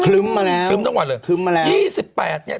คลึ้มมาแล้วคลึ้มมาแล้วคลึ้มตั้งวันเลย